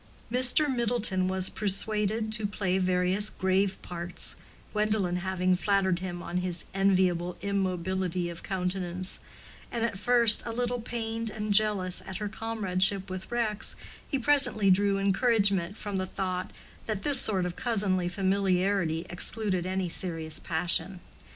Mr. Middleton was persuaded to play various grave parts, Gwendolen having flattered him on his enviable immobility of countenance; and at first a little pained and jealous at her comradeship with Rex, he presently drew encouragement from the thought that this sort of cousinly familiarity excluded any serious passion.